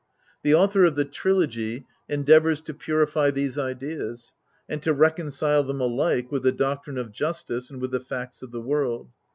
The author of the Trilogy endeavours to purify these ideas, and to reconcile them alike with the doctrine of Justice and with the facts of the world.